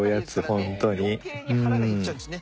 余計に腹が減っちゃうんですね。